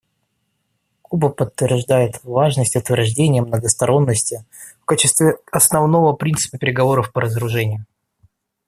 Куба подтверждает важность утверждения многосторонности в качестве основного принципа переговоров по разоружению.